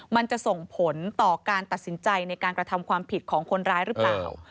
มันจะส่งผลต่อการตัดสินใจในการกระทำความผิดของคนร้ายหรือเปล่า